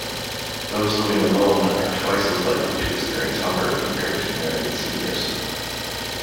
Those living alone are twice as likely to experience hunger compared to married seniors.